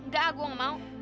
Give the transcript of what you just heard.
gak gue gak mau